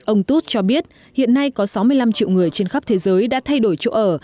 ông tuth cho biết hiện nay có sáu mươi năm triệu người trên khắp thế giới đã thay đổi chỗ ở